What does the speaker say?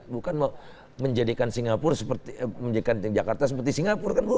bukan menjadikan jakarta seperti singapura